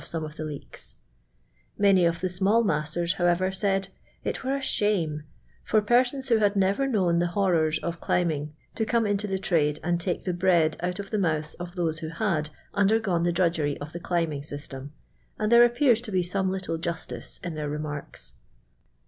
mie of the leeks. M.my of tiie smai! master.*, however, said •• it v.ere a shame" for p«rii.ns who had n 'ver known the horrors of cliiiilung to come into the trade am! tak" the bread out of lh«' ujoiiths of those who had undergone the drudgery of the ciunbing ty. %tom : and there appears to be somi' little justice in their remarks.